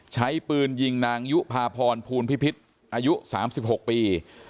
ใช้ปืนยิงนางยุภาพรภูลพิพิษอายุ๓๖ปี